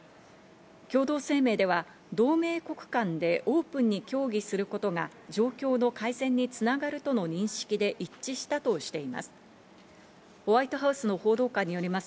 共同声明では同盟国間でオープンに協議することが状況の改善に繋がるとの認識で一致したとしています。